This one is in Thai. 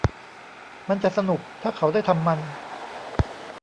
มันจะสนุกถ้าเขาได้ทำมัน